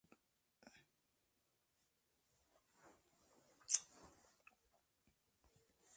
Solamente para algunos aislados puestos municipales resultaron elegidos unos pocos aspirantes independientes.